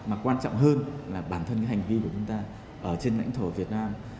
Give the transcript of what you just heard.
mà quan trọng hơn là bản thân cái hành vi của chúng ta ở trên lãnh thổ việt nam